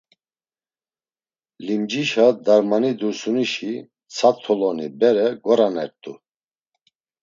Limcişa Darmani Dursunişi mtsa toloni bere goranert̆u.